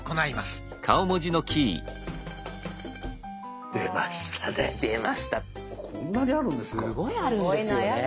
すごいあるんですよね。